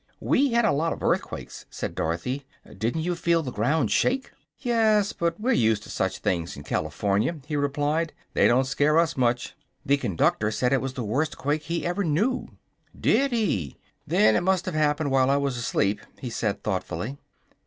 "We had a lot of earthquakes," said Dorothy. "Didn't you feel the ground shake?" "Yes; but we're used to such things in California," he replied. "They don't scare us much." [Illustration: DOROTHY POKED THE BOY WITH HER PARASOL.] "The conductor said it was the worst quake he ever knew." "Did he? Then it must have happened while I was asleep," he said, thoughtfully.